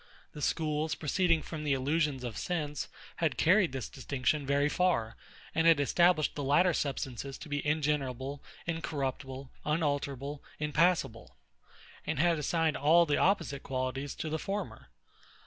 The schools, proceeding from the illusions of sense, had carried this distinction very far; and had established the latter substances to be ingenerable, incorruptible, unalterable, impassable; and had assigned all the opposite qualities to the former.